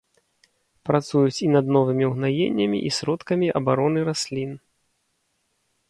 Працуюць і над новымі угнаеннямі і сродкамі абароны раслін.